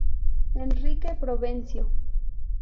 Enrique Provencio.